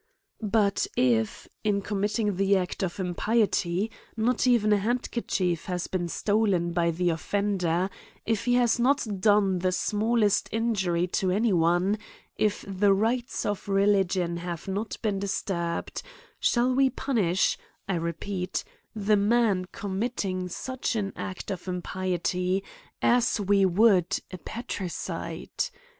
But, if, in committing the act of impiety, not even a handkerchief has been stolen by the offender ; if he has not doite the smallest injuiy to any one ; if the rites of religion have not been disturbed ; shall we punish {I repeat) the man committing such an act of impiety as we OUIMES AND PUNISHMENTS. l&i would a parricide